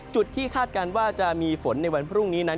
ที่คาดการณ์ว่าจะมีฝนในวันพรุ่งนี้นั้น